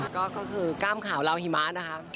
ก็คือกล้ามขาวลาวหิมะนะคะ